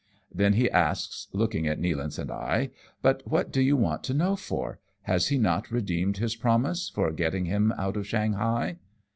Then he asks, looking at Nealance and I, "But what do you want to know for ; has he not redeemed his promise, for getting him out of Shanghai?"